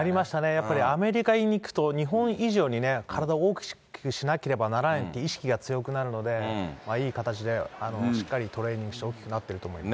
やっぱり、アメリカに行くと、日本以上に体大きくしなければならないって意識が強くなるので、いい形でしっかりトレーニングして大きくなってると思います。